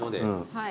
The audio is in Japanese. はい。